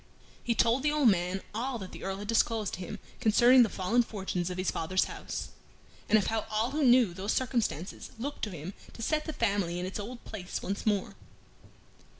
He told the old man all that the Earl had disclosed to him concerning the fallen fortunes of his father's house, and of how all who knew those circumstances looked to him to set the family in its old place once more.